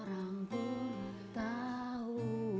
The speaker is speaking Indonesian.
tidak ada yang tahu